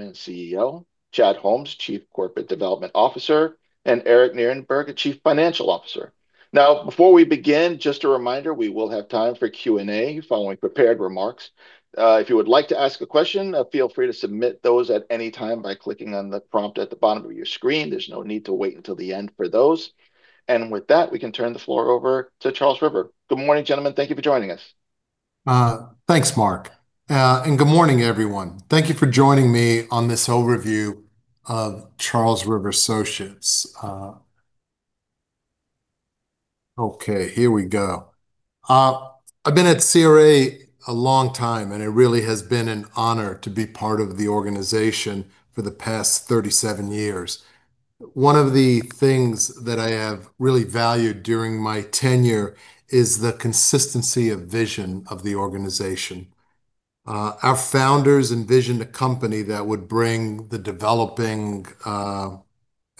CEO, Chad Holmes, Chief Corporate Development Officer, and Eric Nierenberg, Chief Financial Officer. Before we begin, just a reminder, we will have time for Q&A following prepared remarks. If you would like to ask a question, feel free to submit those at any time by clicking on the prompt at the bottom of your screen. There's no need to wait until the end for those. With that, we can turn the floor over to Charles River. Good morning, gentlemen. Thank you for joining us. Thanks, Marc, good morning, everyone. Thank you for joining me on this overview of Charles River Associates. Okay, here we go. I've been at CRA a long time, it really has been an honor to be part of the organization for the past 37 years. One of the things that I have really valued during my tenure is the consistency of vision of the organization. Our founders envisioned a company that would bring the developing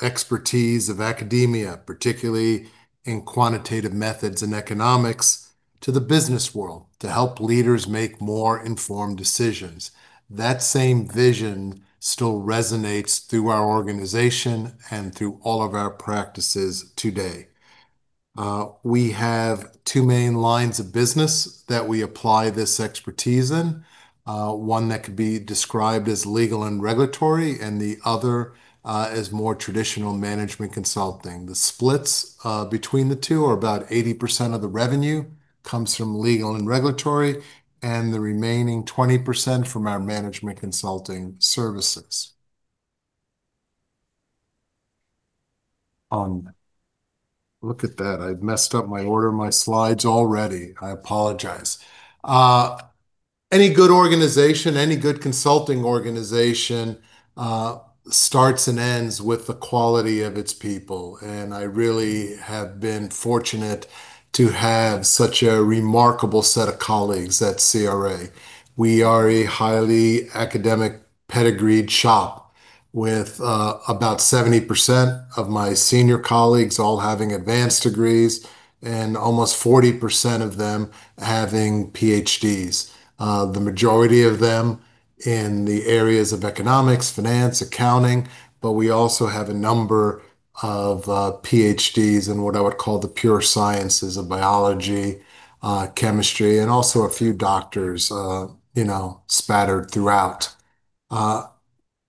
expertise of academia, particularly in quantitative methods and economics, to the business world to help leaders make more informed decisions. That same vision still resonates through our organization and through all of our practices today. We have two main lines of business that we apply this expertise in, one that could be described as legal and regulatory, and the other as more traditional management consulting. The splits between the two are about 80% of the revenue comes from legal and regulatory, and the remaining 20% from our management consulting services. Look at that, I've messed up my order of my slides already. I apologize. Any good organization, any good consulting organization, starts and ends with the quality of its people, I really have been fortunate to have such a remarkable set of colleagues at CRA. We are a highly academic pedigreed shop with about 70% of my senior colleagues all having advanced degrees and almost 40% of them having PhDs, the majority of them in the areas of economics, finance, accounting, but we also have a number of PhDs in what I would call the pure sciences of biology, chemistry, and also a few doctors spattered throughout.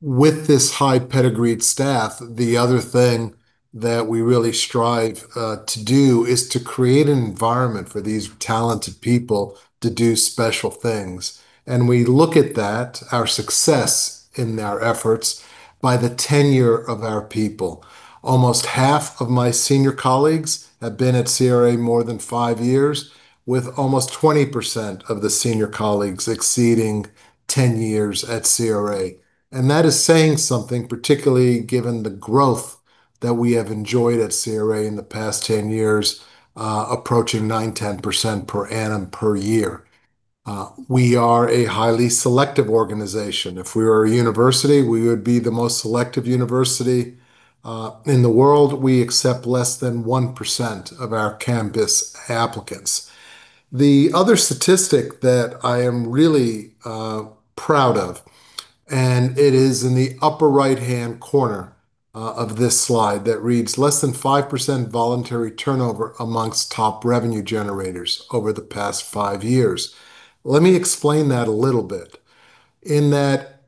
With this high pedigreed staff, the other thing that we really strive to do is to create an environment for these talented people to do special things. We look at that, our success in our efforts, by the tenure of our people. Almost half of my senior colleagues have been at CRA more than five years, with almost 20% of the senior colleagues exceeding 10 years at CRA. That is saying something, particularly given the growth that we have enjoyed at CRA in the past 10 years, approaching 9%, 10% per annum per year. We are a highly selective organization. If we were a university, we would be the most selective university in the world. We accept less than 1% of our campus applicants. The other statistic that I am really proud of, it is in the upper right-hand corner of this slide that reads, "Less than 5% voluntary turnover amongst top revenue generators over the past five years." Let me explain that a little bit, in that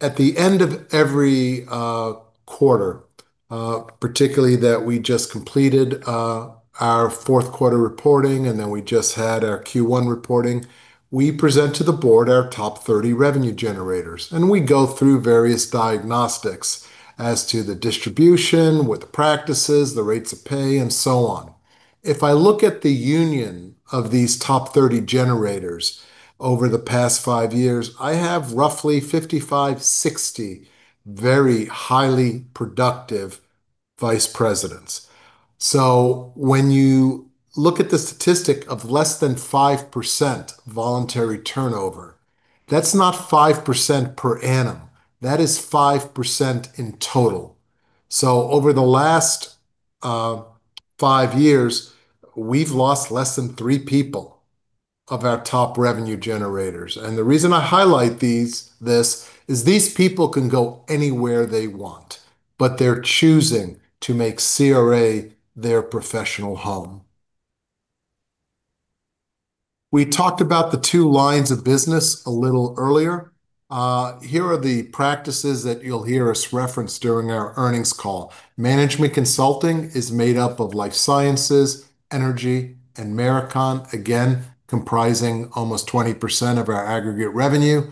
at the end of every quarter, particularly that we just completed our fourth quarter reporting, we just had our Q1 reporting, we present to the board our top 30 revenue generators, we go through various diagnostics as to the distribution, what the practice is, the rates of pay, and so on. If I look at the union of these top 30 generators over the past five years, I have roughly 55, 60 very highly productive vice presidents. When you look at the statistic of less than 5% voluntary turnover, that's not 5% per annum. That is 5% in total. Over the last five years, we've lost less than three people of our top revenue generators. The reason I highlight this is these people can go anywhere they want, but they're choosing to make CRA their professional home. We talked about the two lines of business a little earlier. Here are the practices that you'll hear us reference during our earnings call. Management consulting is made up of Life Sciences, Energy, and Marakon, again, comprising almost 20% of our aggregate revenue.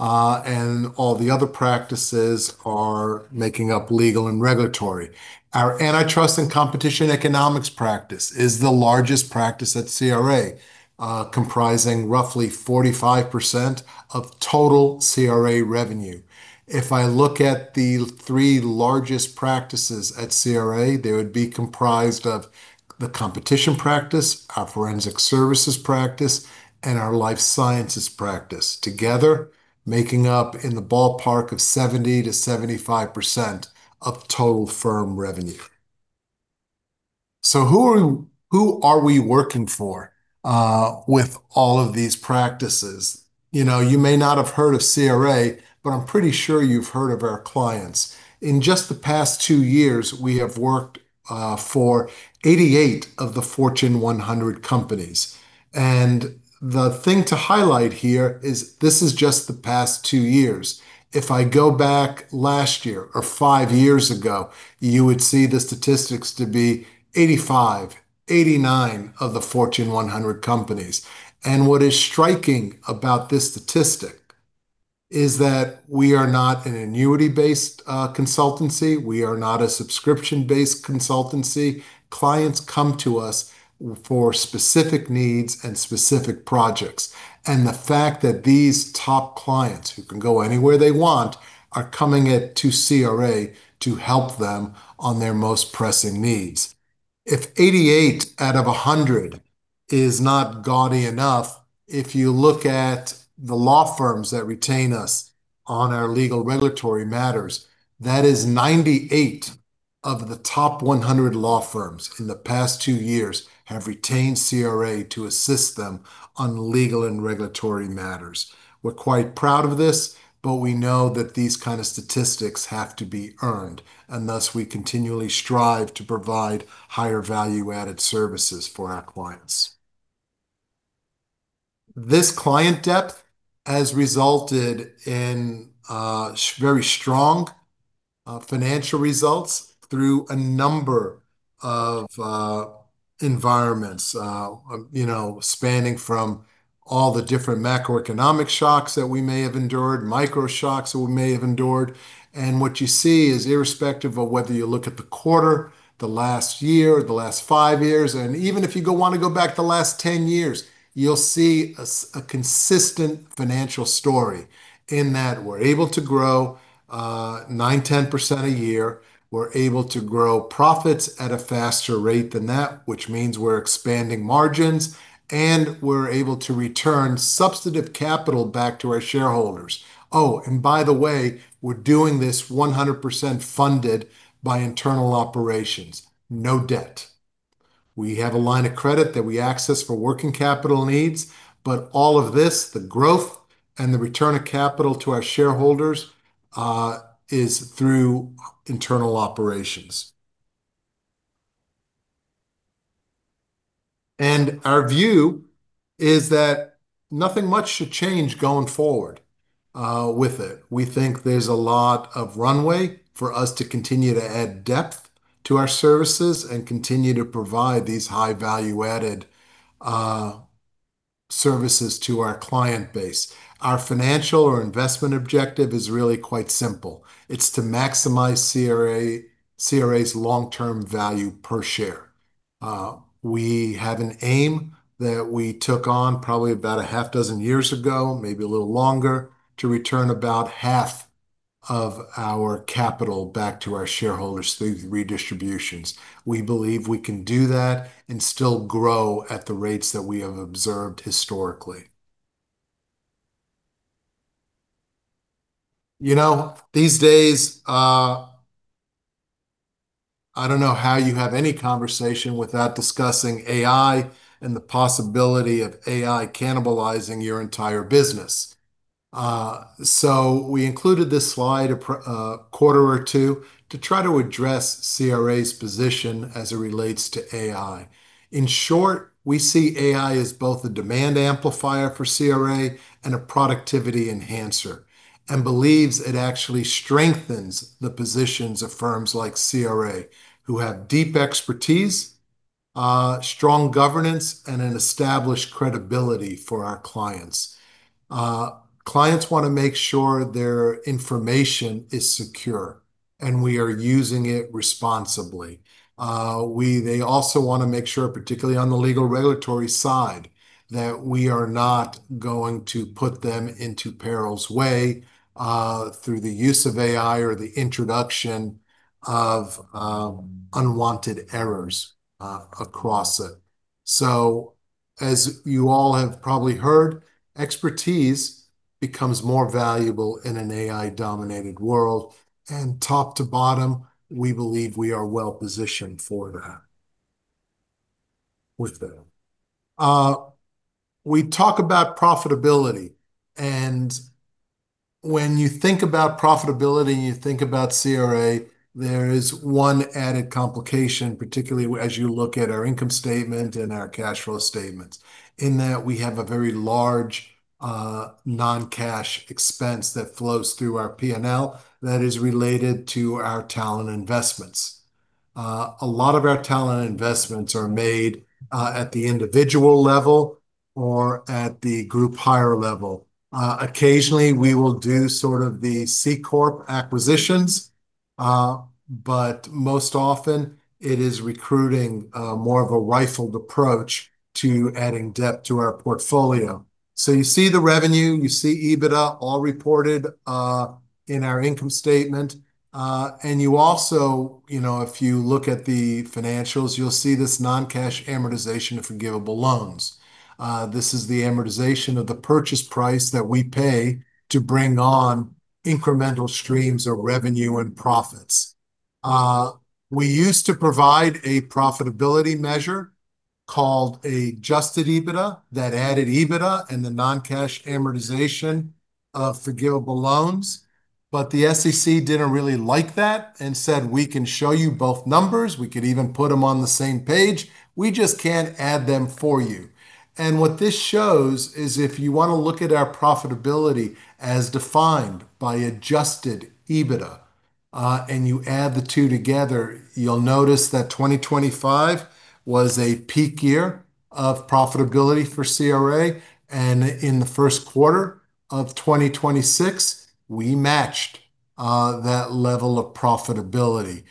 All the other practices are making up legal and regulatory. Our Antitrust & Competition Economics practice is the largest practice at CRA, comprising roughly 45% of total CRA revenue. If I look at the three largest practices at CRA, they would be comprised of the competition practice, our Forensic Services practice, and our Life Sciences practice, together making up in the ballpark of 70%-75% of total firm revenue. Who are we working for with all of these practices? You may not have heard of CRA, but I'm pretty sure you've heard of our clients. In just the past two years, we have worked for 88 of the Fortune 100 companies. The thing to highlight here is this is just the past two years. If I go back last year or five years ago, you would see the statistics to be 85, 89 of the Fortune 100 companies. What is striking about this statistic is that we are not an annuity-based consultancy. We are not a subscription-based consultancy. Clients come to us for specific needs and specific projects. The fact that these top clients, who can go anywhere they want, are coming to CRA to help them on their most pressing needs. If 88 out of 100 is not gaudy enough, if you look at the law firms that retain us on our legal regulatory matters, that is 98 of the top 100 law firms in the past two years have retained CRA to assist them on legal and regulatory matters. We're quite proud of this, we know that these kind of statistics have to be earned, thus we continually strive to provide higher value-added services for our clients. This client depth has resulted in very strong financial results through a number of environments. Spanning from all the different macroeconomic shocks that we may have endured, micro shocks that we may have endured. What you see is irrespective of whether you look at the quarter, the last year, the last five years, even if you want to go back the last 10 years, you'll see a consistent financial story in that we're able to grow 9%-10% a year. We're able to grow profits at a faster rate than that, which means we're expanding margins, and we're able to return substantive capital back to our shareholders. Oh, and by the way, we're doing this 100% funded by internal operations. No debt. We have a line of credit that we access for working capital needs. All of this, the growth and the return of capital to our shareholders, is through internal operations. Our view is that nothing much should change going forward with it. We think there's a lot of runway for us to continue to add depth to our services and continue to provide these high value-added services to our client base. Our financial or investment objective is really quite simple. It's to maximize CRA's long-term value per share. We have an aim that we took on probably about a half dozen years ago, maybe a little longer, to return about half of our capital back to our shareholders through redistributions. We believe we can do that and still grow at the rates that we have observed historically. These days, I don't know how you have any conversation without discussing AI and the possibility of AI cannibalizing your entire business. We included this slide a quarter or two to try to address CRA's position as it relates to AI. In short, we see AI as both a demand amplifier for CRA and a productivity enhancer, and believes it actually strengthens the positions of firms like CRA, who have deep expertise, strong governance, and an established credibility for our clients. Clients want to make sure their information is secure and we are using it responsibly. They also want to make sure, particularly on the legal regulatory side, that we are not going to put them into peril's way through the use of AI or the introduction of unwanted errors across it. As you all have probably heard, expertise becomes more valuable in an AI-dominated world, and top to bottom, we believe we are well positioned for that. We talk about profitability, when you think about profitability and you think about CRA, there is one added complication, particularly as you look at our income statement and our cash flow statements, in that we have a very large non-cash expense that flows through our P&L that is related to our talent investments. A lot of our talent investments are made at the individual level or at the group higher level. Occasionally, we will do sort of the C-corp acquisitions, but most often it is recruiting, more of a rifled approach to adding depth to our portfolio. You see the revenue, you see EBITDA all reported in our income statement. You also, if you look at the financials, you'll see this non-cash amortization of forgivable loans. This is the amortization of the purchase price that we pay to bring on incremental streams of revenue and profits. The SEC didn't really like that and said we can show you both numbers, we could even put them on the same page, we just can't add them for you. What this shows is if you want to look at our profitability as defined by adjusted EBITDA, and you add the two together, you'll notice that 2025 was a peak year of profitability for CRA, and in the first quarter of 2026, we matched that level of profitability.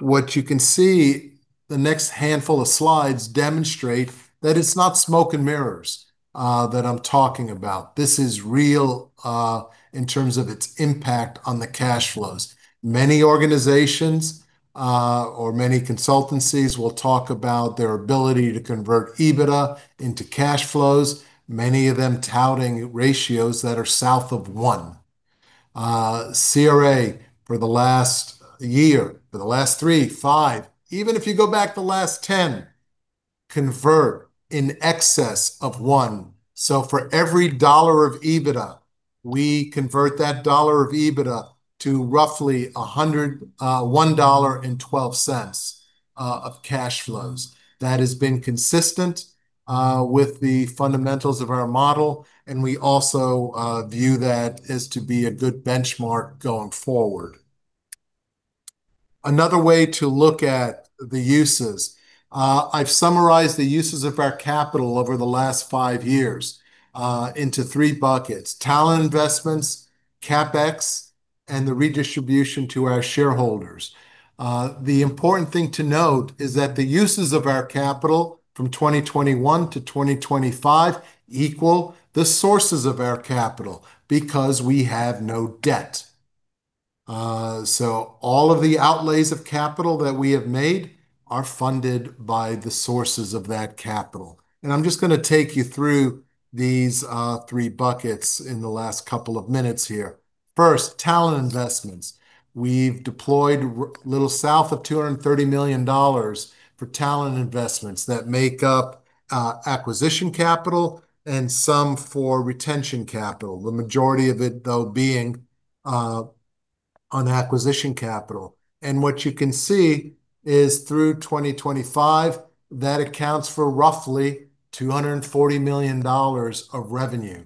What you can see, the next handful of slides demonstrate that it's not smoke and mirrors that I'm talking about. This is real in terms of its impact on the cash flows. Many organizations or many consultancies will talk about their ability to convert EBITDA into cash flows, many of them touting ratios that are south of one. CRA for the last year, for the last three, five, even if you go back the last 10, convert in excess of one. For every dollar of EBITDA, we convert that dollar of EBITDA to roughly $1.12 of cash flows. That has been consistent with the fundamentals of our model, and we also view that as to be a good benchmark going forward. Another way to look at the uses. I've summarized the uses of our capital over the last five years into three buckets: talent investments, CapEx, and the redistribution to our shareholders. The important thing to note is that the uses of our capital from 2021 to 2025 equal the sources of our capital, because we have no debt. All of the outlays of capital that we have made are funded by the sources of that capital. I'm just going to take you through these three buckets in the last couple of minutes here. First, talent investments. We've deployed a little south of $230 million for talent investments that make up acquisition capital and some for retention capital. The majority of it, though, being on acquisition capital. What you can see is through 2025, that accounts for roughly $240 million of revenue.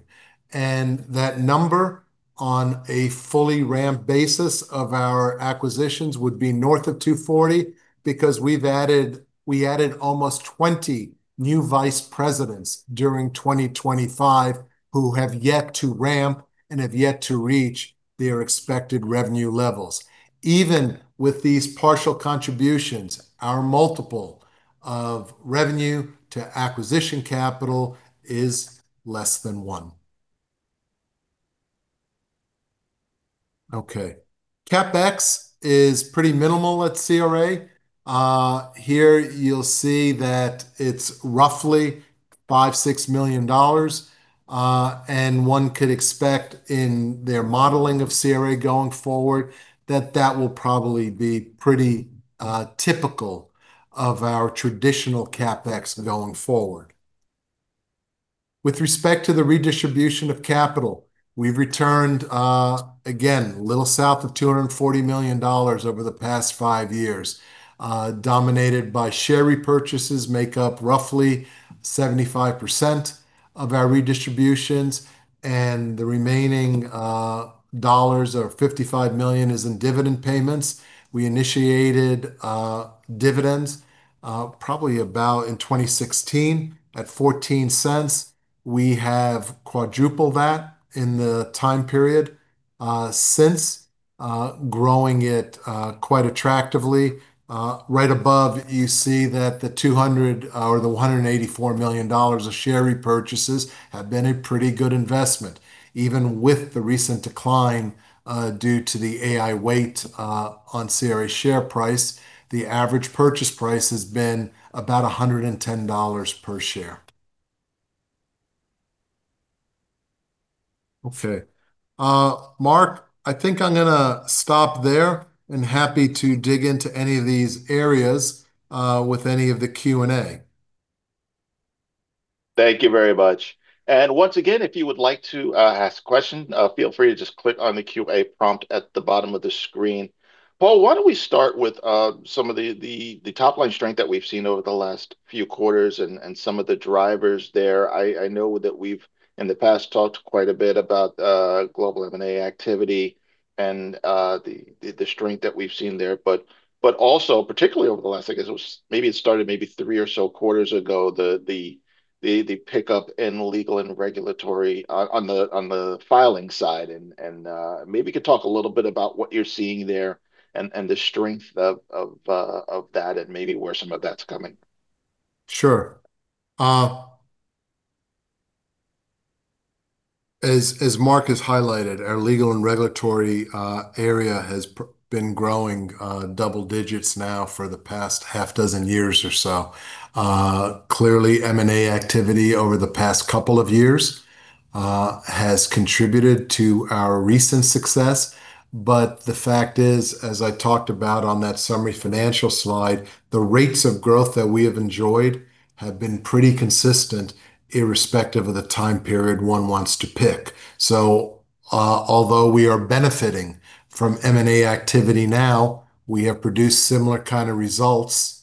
That number, on a fully ramp basis of our acquisitions, would be north of $240 because we added almost 20 new vice presidents during 2025 who have yet to ramp and have yet to reach their expected revenue levels. Even with these partial contributions, our multiple of revenue to acquisition capital is less than one. CapEx is pretty minimal at CRA. Here you'll see that it's roughly $5 million-$6 million. One could expect in their modeling of CRA going forward that that will probably be pretty typical of our traditional CapEx going forward. With respect to the redistribution of capital, we've returned, again, a little south of $240 million over the past five years. Dominated by share repurchases make up roughly 75% of our redistributions, and the remaining dollars or $55 million is in dividend payments. We initiated dividends probably about in 2016 at $0.14. We have quadrupled that in the time period since, growing it quite attractively. Right above you see that the $200 or the $184 million of share repurchases have been a pretty good investment. Even with the recent decline due to the AI weight on CRA share price, the average purchase price has been about $110 per share. Marc, I think I'm going to stop there, happy to dig into any of these areas with any of the Q&A. Thank you very much. Once again, if you would like to ask a question, feel free to just click on the Q&A prompt at the bottom of the screen. Paul, why don't we start with some of the top-line strength that we've seen over the last few quarters and some of the drivers there. I know that we've, in the past, talked quite a bit about global M&A activity and the strength that we've seen there. Also, particularly over the last, I guess it was maybe it started maybe three or so quarters ago, the pickup in legal and regulatory on the filing side, maybe you could talk a little bit about what you're seeing there and the strength of that and maybe where some of that's coming. Sure. As Marc has highlighted, our legal and regulatory area has been growing double digits now for the past half dozen years or so. Clearly, M&A activity over the past couple of years has contributed to our recent success. The fact is, as I talked about on that summary financial slide, the rates of growth that we have enjoyed have been pretty consistent irrespective of the time period one wants to pick. Although we are benefiting from M&A activity now, we have produced similar kind of results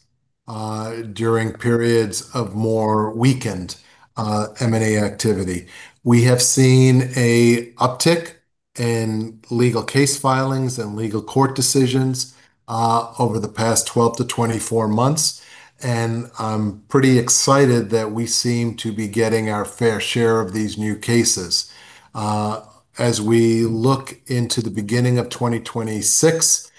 during periods of more weakened M&A activity. We have seen an uptick in legal case filings and legal court decisions over the past 12 to 24 months, I'm pretty excited that we seem to be getting our fair share of these new cases. As we look into the beginning of 2026,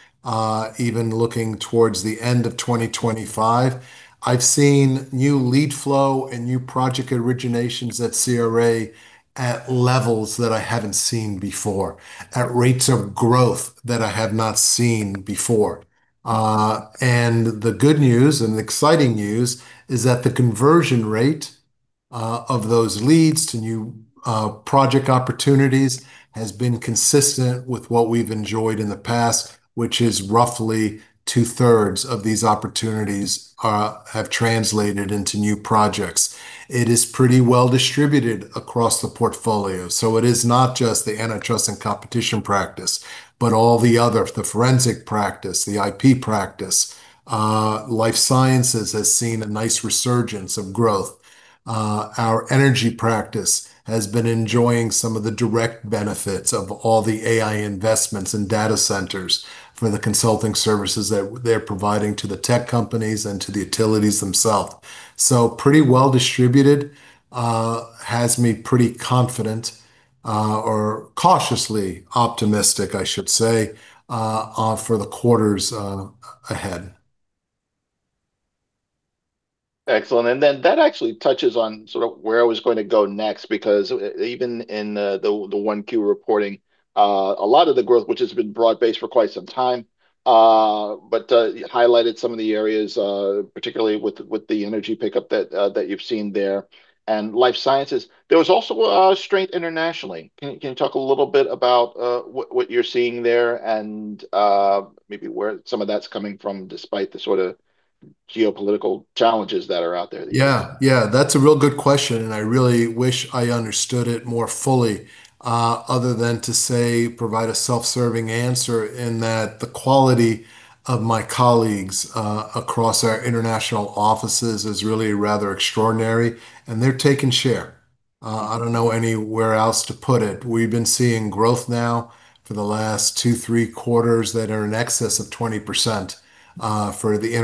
even looking towards the end of 2025, I've seen new lead flow and new project originations at CRA at levels that I haven't seen before, at rates of growth that I have not seen before. The good news and exciting news is that the conversion rate of those leads to new project opportunities has been consistent with what we've enjoyed in the past, which is roughly two-thirds of these opportunities have translated into new projects. It is pretty well distributed across the portfolio, it is not just the Antitrust & Competition Economics practice, but all the others, the Forensic Services practice, the IP practice. Life Sciences has seen a nice resurgence of growth. Our Energy practice has been enjoying some of the direct benefits of all the AI investments and data centers from the consulting services that they're providing to the tech companies and to the utilities themselves. Pretty well distributed, has me pretty confident, or cautiously optimistic, I should say, for the quarters ahead. Excellent. That actually touches on sort of where I was going to go next, because even in the 1Q reporting, a lot of the growth, which has been broad-based for quite some time, but highlighted some of the areas, particularly with the Energy pickup that you've seen there, and Life Sciences. There was also strength internationally. Can you talk a little bit about what you're seeing there and maybe where some of that's coming from despite the sort of geopolitical challenges that are out there these days? Yeah. That's a real good question, and I really wish I understood it more fully, other than to, say, provide a self-serving answer in that the quality of my colleagues across our international offices is really rather extraordinary, and they're taking share. I don't know anywhere else to put it. We've been seeing growth now for the last two, three quarters that are in excess of 20% for the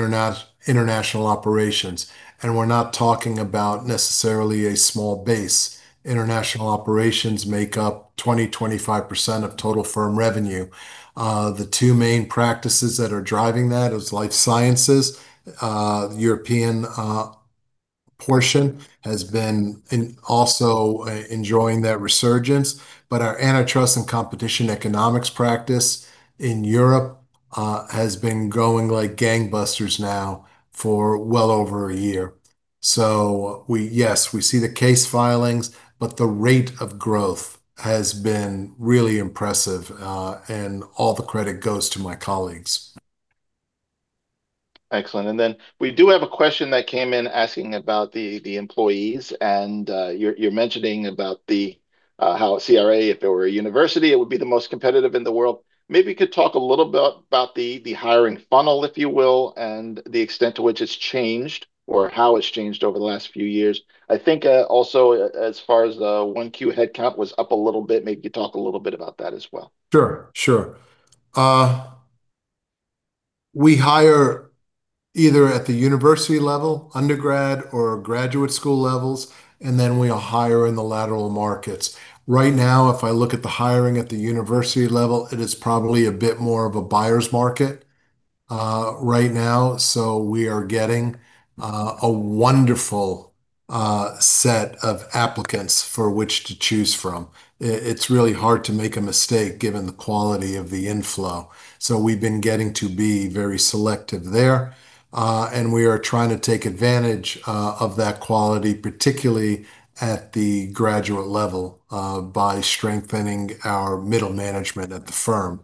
international operations, and we're not talking about necessarily a small base. International operations make up 20%, 25% of total firm revenue. The two main practices that are driving that is Life Sciences. The European portion has been also enjoying that resurgence, but our Antitrust & Competition Economics practice in Europe has been going like gangbusters now for well over a year. Yes, we see the case filings, but the rate of growth has been really impressive, and all the credit goes to my colleagues. Excellent. We do have a question that came in asking about the employees, and you're mentioning about how CRA, if it were a university, it would be the most competitive in the world. Maybe you could talk a little bit about the hiring funnel, if you will, and the extent to which it's changed or how it's changed over the last few years. I think also as far as the 1Q headcount was up a little bit, maybe you could talk a little bit about that as well. Sure. We hire either at the university level, undergrad or graduate school levels. We hire in the lateral markets. Right now, if I look at the hiring at the university level, it is probably a bit more of a buyer's market right now. We are getting a wonderful set of applicants for which to choose from. It's really hard to make a mistake given the quality of the inflow. We've been getting to be very selective there, and we are trying to take advantage of that quality, particularly at the graduate level, by strengthening our middle management at the firm.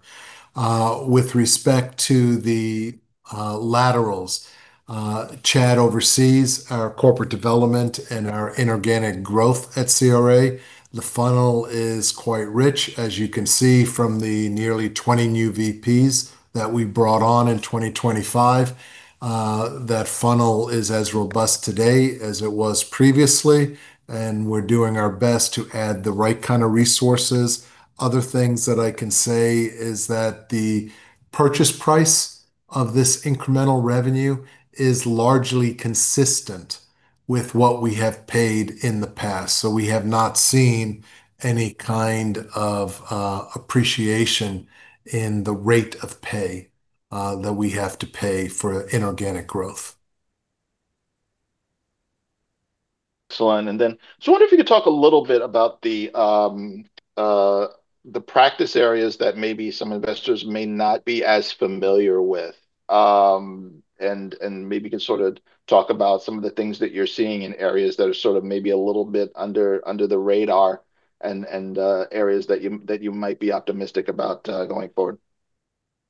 With respect to the laterals, Chad oversees our corporate development and our inorganic growth at CRA. The funnel is quite rich, as you can see from the nearly 20 new VPs that we brought on in 2025. That funnel is as robust today as it was previously, and we're doing our best to add the right kind of resources. Other things that I can say is that the purchase price of this incremental revenue is largely consistent with what we have paid in the past. We have not seen any kind of appreciation in the rate of pay that we have to pay for inorganic growth. Excellent. I wonder if you could talk a little bit about the practice areas that maybe some investors may not be as familiar with, and maybe you can sort of talk about some of the things that you're seeing in areas that are sort of maybe a little bit under the radar, and areas that you might be optimistic about going forward.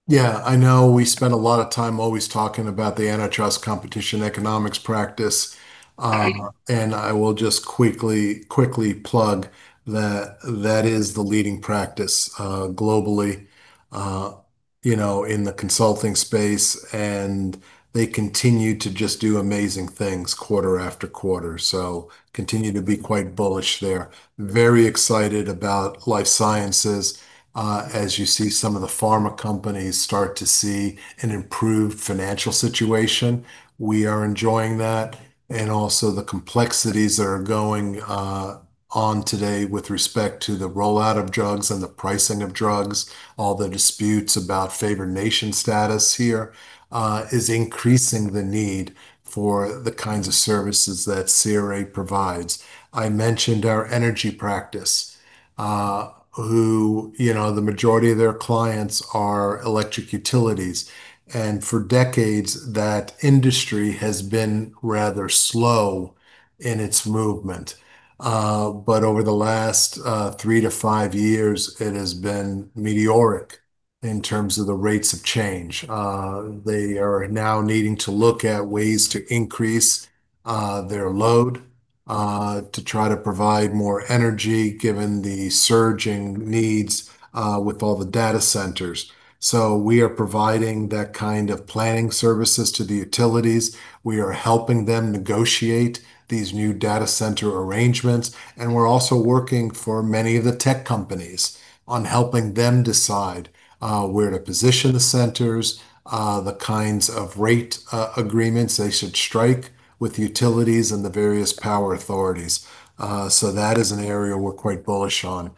Yeah. I know we spend a lot of time always talking about the Antitrust & Competition Economics practice. I will just quickly plug that that is the leading practice globally in the consulting space, and they continue to just do amazing things quarter after quarter. Continue to be quite bullish there. Very excited about Life Sciences, as you see some of the pharma companies start to see an improved financial situation. We are enjoying that, and also the complexities that are going on today with respect to the rollout of drugs and the pricing of drugs, all the disputes about favored nation status here, is increasing the need for the kinds of services that CRA provides. I mentioned our Energy practice, who the majority of their clients are electric utilities, and for decades that industry has been rather slow in its movement. Over the last three to five years, it has been meteoric in terms of the rates of change. They are now needing to look at ways to increase their load to try to provide more energy given the surging needs with all the data centers. We are providing that kind of planning services to the utilities. We are helping them negotiate these new data center arrangements, and we're also working for many of the tech companies on helping them decide where to position the centers, the kinds of rate agreements they should strike with utilities, and the various power authorities. That is an area we're quite bullish on.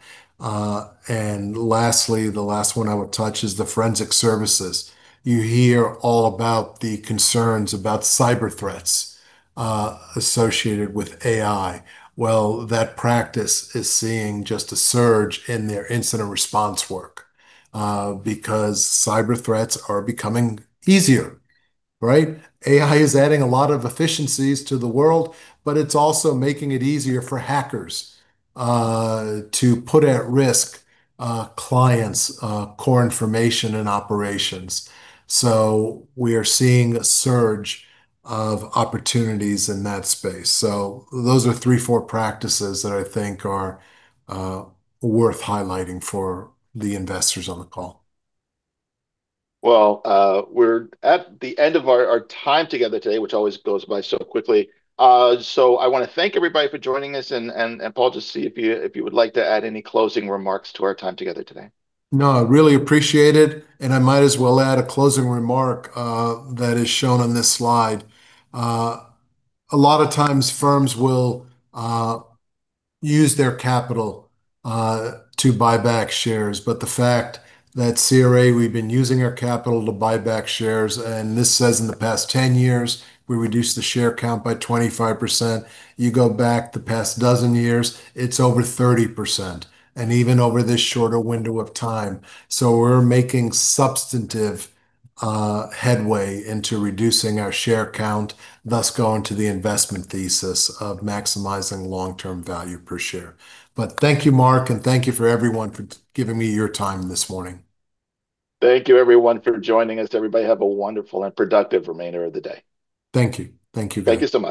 Lastly, the last one I would touch is the Forensic Services. You hear all about the concerns about cyber threats associated with AI. Well, that practice is seeing just a surge in their incident response work, because cyber threats are becoming easier, right? AI is adding a lot of efficiencies to the world, but it's also making it easier for hackers to put at risk clients' core information and operations. We are seeing a surge of opportunities in that space. Those are three, four practices that I think are worth highlighting for the investors on the call. We're at the end of our time together today, which always goes by so quickly. I want to thank everybody for joining us, and, Paul, just see if you would like to add any closing remarks to our time together today. No, I really appreciate it, and I might as well add a closing remark that is shown on this slide. A lot of times firms will use their capital to buy back shares, but the fact that CRA, we've been using our capital to buy back shares, and this says in the past 10 years, we reduced the share count by 25%. You go back the past dozen years, it's over 30%, and even over this shorter window of time. We're making substantive headway into reducing our share count, thus going to the investment thesis of maximizing long-term value per share. Thank you, Marc, and thank you for everyone for giving me your time this morning. Thank you everyone for joining us. Everybody have a wonderful and productive remainder of the day. Thank you. Thank you guys. Thank you so much.